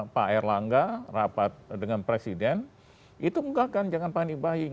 pak erlangga rapat dengan presiden itu mengungkapkan jangan panik buying